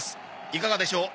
いかがでしょう？